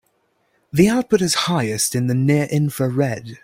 The output is highest in the near infrared.